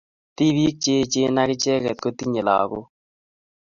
Tibik che aiechin ak icheke ko tinyei lagok